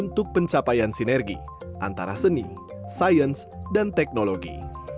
untuk pencapaian sinergi antara seni sains dan teknologi